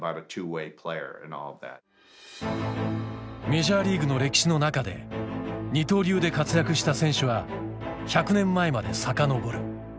メジャーリーグの歴史の中で二刀流で活躍した選手は１００年前まで遡る。